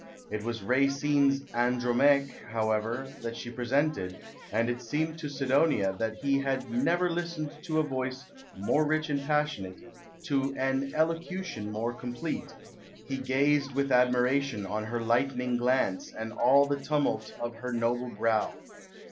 It was Racine's "" Andromaque," however, that she presented, and " it seemed to Sidonia that he had never listened to a voice more rich and passionate, to an elocution more complete ; he gazed with admiration on her lightning glance and all the tunuill of iier noble brow.